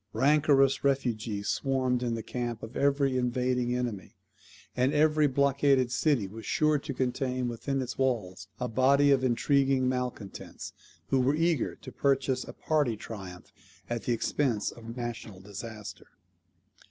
Rancorous refugees swarmed in the camp of every invading enemy; and every blockaded city was sure to contain within its walls a body of intriguing malcontents, who were eager to purchase a party triumph at the expense of a national disaster.